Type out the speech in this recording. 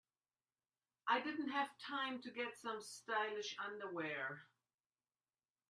I didn't have time to get some stylish underwear.